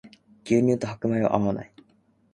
牛乳と白米は合わない